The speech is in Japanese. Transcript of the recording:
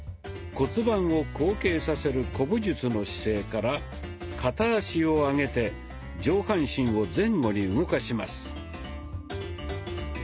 骨盤を後傾させる古武術の姿勢から片足を上げて上半身を前後に動かします。